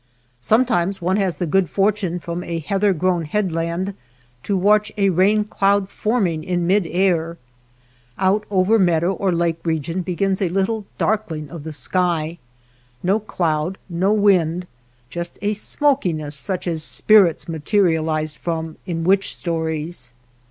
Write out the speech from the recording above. Sometimes one has the good for tune from a heather grown headland to watch a rain cloud forming in mid air. Out over meadow or lake reQ:ion begins a little darkling of the sky, — no cloud, no 250 NURSLINGS OF THE SKY wind, just a smokiness such as spirits ma terialize from in witch stories.